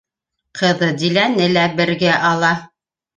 Ҡыҙы Диләне лә бергә ала.